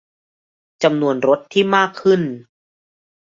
- จำนวนรถที่มากขึ้น